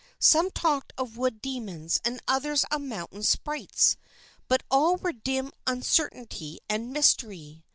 Some talked of wood demons and others of mountain sprites, but all was dim uncertainty and mystery.